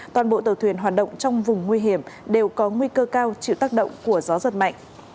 toàn bộ tàu thuyền hoạt động trong vùng nguy hiểm đều có nguy cơ cao chịu tác động của gió giật mạnh